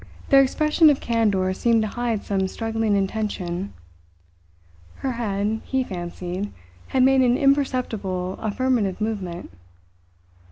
Their expression of candour seemed to hide some struggling intention. Her head, he fancied, had made an imperceptible affirmative movement.